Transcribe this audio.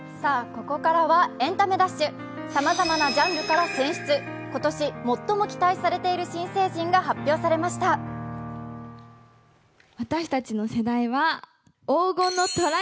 ここからは「エンタメダッシュ」さまざまなジャンルから選出今年最も期待されている新成人が発表されました。